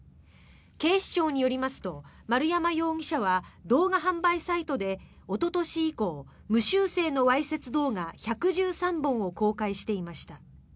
警視庁によりますと丸山容疑者は動画販売サイトでおととし以降無修正のわいせつ動画１１３本を公開していました。